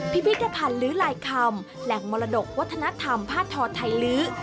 พิพิธภัณฑ์ลื้อลายคำแหล่งมรดกวัฒนธรรมผ้าทอไทยลื้อ